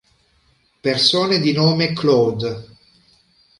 Persone di nome Claude